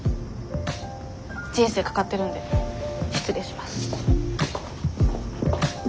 人生かかってるんで失礼します。